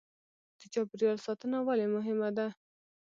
د چاپیریال ساتنه ولې مهمه ده